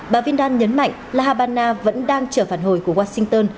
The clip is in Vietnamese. bà vindan nhấn mạnh la habana vẫn đang chờ phản hồi của washington